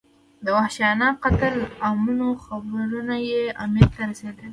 د وحشیانه قتل عامونو خبرونه یې امیر ته رسېدل.